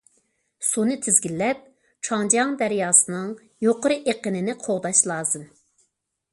سۇنى تىزگىنلەپ، چاڭجياڭ دەرياسىنىڭ يۇقىرى ئېقىنىنى قوغداش لازىم.